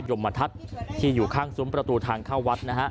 ของรวมเบาวะใจที่อยู่ข้างสุมประตูทางเข้าวัดนะฮะ